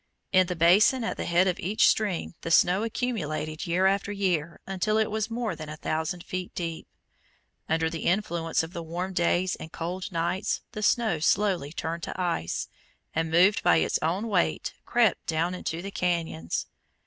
In the basin at the head of each stream the snow accumulated year after year until it was more than a thousand feet deep. Under the influence of the warm days and cold nights the snow slowly turned to ice, and moved by its own weight, crept down into the cañons.